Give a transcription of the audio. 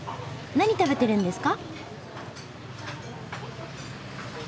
何食べてるんですか？